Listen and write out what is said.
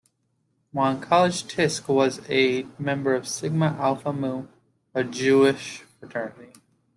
While in college Tisch was a member of Sigma Alpha Mu, a Jewish fraternity.